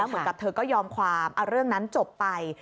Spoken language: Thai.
เหมือนกับเธอก็ยอมความเอาเรื่องนั้นจบไป